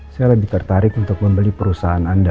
saya lebih tertarik untuk membeli perusahaan anda